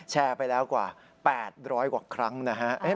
แชร์ไปแล้วกว่า๘๐๐กว่าครั้งนะฮะ